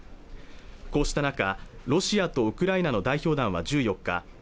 こうした中ロシアとウクライナの代表団は１４日